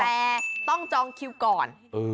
แต่ต้องจองคิวก่อน